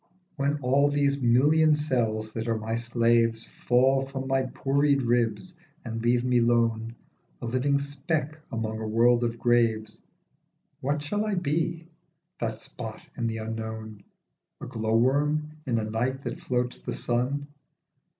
WHEN all these million cells that are my slaves Fall from my pourried ribs and leave me lone, A living speck among a world of graves, What shall I be, that spot in the unknown? A glow worm in a night that floats the sun?